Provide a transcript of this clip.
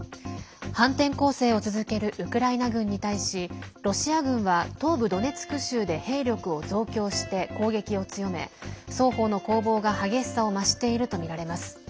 反転攻勢を続けるウクライナ軍に対し、ロシア軍は東部ドネツク州で兵力を増強して攻撃を強め双方の攻防が激しさを増しているとみられます。